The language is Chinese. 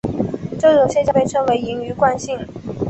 这种现象被称为盈余惯性。